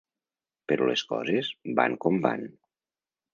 Però les coses van com van.